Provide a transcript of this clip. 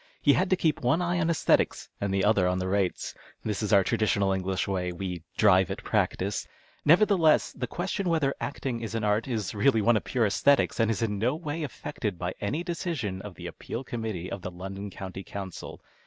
He had to keep one eye on esthetics and the other on the rates. This is our traditional English way. We " drive at practice." Nevertheless, this question whether acting is an art is really one of pure a;sthcties, and is in no way affected by any decision of the Appeal Committee of the London County Council.